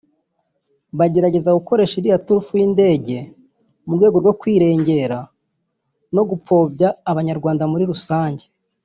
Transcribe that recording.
bagerageza gukoresha iriya turufu y’indege mu rwego rwo kwirengera no gupfobya Abanyarwanda muri rusange